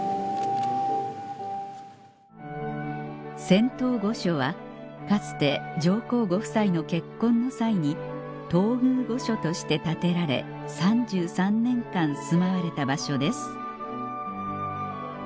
仙洞御所はかつて上皇ご夫妻の結婚の際に東宮御所として建てられ３３年間住まわれた場所です